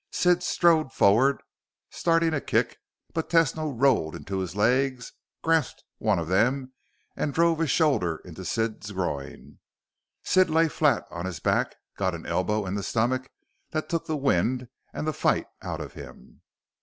Sid strode forward, starting a kick, but Tesno rolled into his legs, grasped one of them, drove a shoulder into Sid's groin. Sid lit flat on his back, got an elbow in the stomach that took the wind and the fight out of him.